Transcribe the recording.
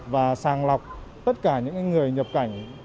và sàng lọc tất cả những người nhập cảnh